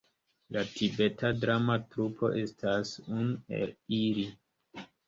La Tibeta Drama Trupo estas unu el ili.